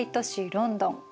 ロンドン。